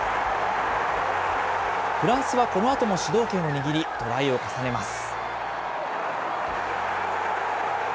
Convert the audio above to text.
フランスはこのあとも主導権を握り、トライを重ねます。